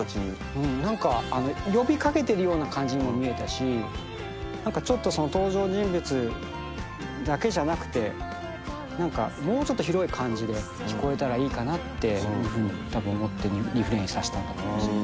何か呼び掛けてるような感じにも見えたし何かちょっとその登場人物だけじゃなくて何かもうちょっと広い感じで聴こえたらいいかなってそういうふうにたぶん思ってリフレインさせたんだと思います。